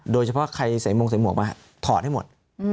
โดยเฉพาะใครใส่มงใส่หมวกมาถอดให้หมด